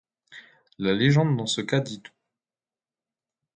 La légende dans ce cas dit tout.